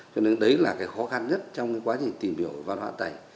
cho nên đấy là cái khó khăn nhất trong cái quá trình tìm hiểu văn hóa tày